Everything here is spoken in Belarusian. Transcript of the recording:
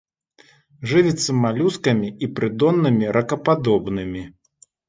Жывіцца малюскамі і прыдоннымі ракападобнымі.